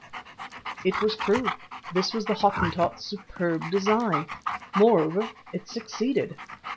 It was true: this was the Hottentot's superb design. Moreover, it succeeded.